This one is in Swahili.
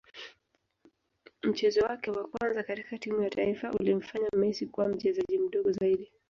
Mchezo wake wa kwanza katika timu ya taifa ulimfanya Messi kuwa mchezaji mdogo zaidi